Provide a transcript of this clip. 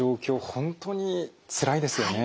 本当につらいですよね。